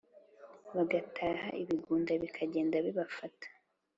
Bagataha ibigunda bikagenda bibafata